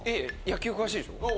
野球詳しいでしょ。